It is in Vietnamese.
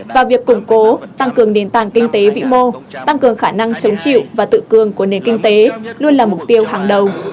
và việc củng cố tăng cường nền tảng kinh tế vĩ mô tăng cường khả năng chống chịu và tự cường của nền kinh tế luôn là mục tiêu hàng đầu